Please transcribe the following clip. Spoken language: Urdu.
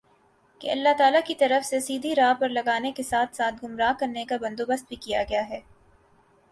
کہ اللہ تعالیٰ کی طرف سے سیدھی راہ پر لگانے کے ساتھ ساتھ گمراہ کرنے کا بندوبست بھی کیا گیا ہے